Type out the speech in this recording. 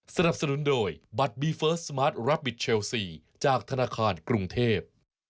สนับสนุนโดยบัตรบีเฟิร์สสมาร์ทรับบิทเชลซีจากธนาคารกรุงเทพ